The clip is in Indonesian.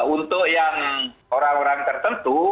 untuk yang orang orang tertentu